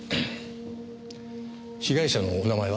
被害者のお名前は？